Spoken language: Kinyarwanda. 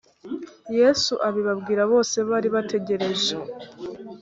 yesu abibwira bose bari bategereje.